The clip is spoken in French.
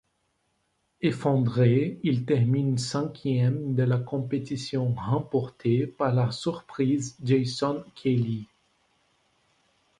Effondré, il termine cinquième de la compétition remportée par la surprise Jason Queally.